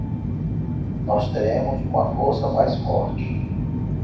Nós teremos uma força mais forte